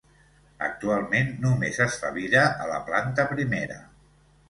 Actualment només es fa vida a la planta primera.